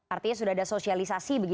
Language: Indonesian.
artinya sudah ada sosialisasi